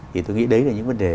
thì tôi nghĩ đấy là những vấn đề